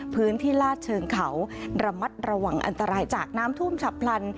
ลาดเชิงเขาระมัดระวังอันตรายจากน้ำท่วมฉับพลัน